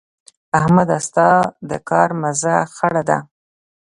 احمده؛ ستا د کار مزه خړه ده.